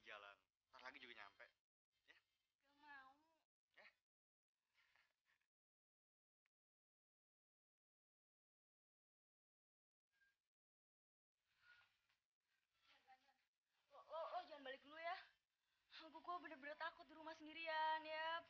jelas lebih cantik kamu dong sayang